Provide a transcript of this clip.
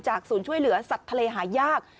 ศูนย์ช่วยเหลือสัตว์ทะเลหายาก